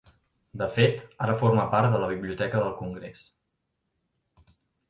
De fet, ara forma part de la Biblioteca del Congrés.